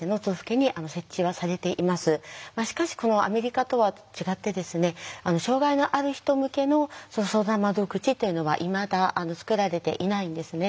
しかしこのアメリカとは違って障害のある人向けの相談窓口というのはいまだ作られていないんですね。